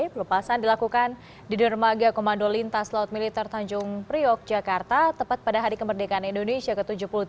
pelepasan dilakukan di dermaga komando lintas laut militer tanjung priok jakarta tepat pada hari kemerdekaan indonesia ke tujuh puluh tiga